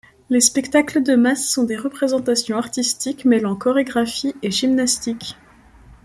Les spectacles de masse sont des représentations artistiques mêlant chorégraphie et gymnastique.